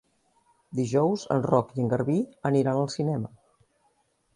Dijous en Roc i en Garbí aniran al cinema.